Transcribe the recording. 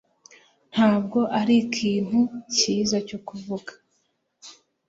Ntabwo arikintu cyiza cyo kuvuga